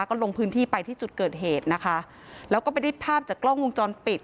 ก็ลงพื้นที่ไปที่จุดเกิดเหตุนะคะแล้วก็ไปได้ภาพจากกล้องวงจรปิด